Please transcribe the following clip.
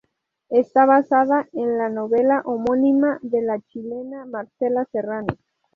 Está basada en la novela homónima de la chilena Marcela Serrano.